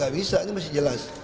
nggak bisa ini masih jelas